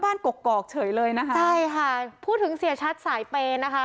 กกอกเฉยเลยนะคะใช่ค่ะพูดถึงเสียชัดสายเปย์นะคะ